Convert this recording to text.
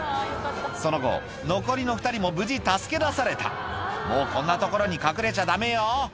その後残りの２人も無事助け出されたもうこんな所に隠れちゃダメよ